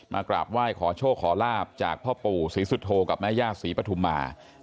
กราบไหว้ขอโชคขอลาบจากพ่อปู่ศรีสุโธกับแม่ย่าศรีปฐุมา